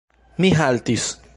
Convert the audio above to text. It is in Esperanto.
Mi haltis.